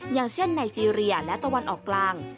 อย่างเช่นไนเจรียและตะวันออกกลาง